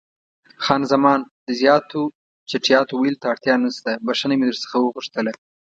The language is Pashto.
خان زمان: د زیاتو چټیاتو ویلو ته اړتیا نشته، بښنه مې در څخه وغوښتله.